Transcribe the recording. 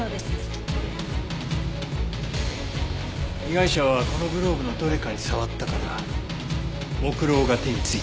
被害者はこのグローブのどれかに触ったから木蝋が手に付いた。